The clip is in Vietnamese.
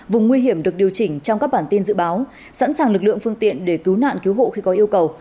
vùng nguy hiểm được điều chỉnh trong các bản tin dự báo sẵn sàng lực lượng phương tiện để cứu nạn cứu hộ khi có yêu cầu